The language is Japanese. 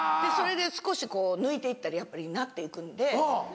それで少し抜いて行ったりやっぱりなって行くんで。